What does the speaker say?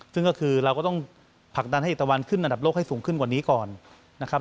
ซึ่งก็คือเราก็ต้องผลักดันให้เอกตะวันขึ้นอันดับโลกให้สูงขึ้นกว่านี้ก่อนนะครับ